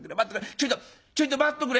ちょいとちょいと待っとくれ」。